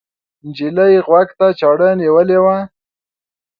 نجلۍ غوږ ته چاړه نیولې وه.